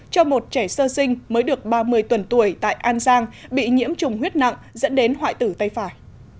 cho một trẻ sơ sinh mới được ba mươi tuần tuổi tại an giang bị nhiễm trùng huyết nặng dẫn đến hoại tử tay phải